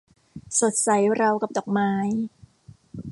สดใสราวกับดอกไม้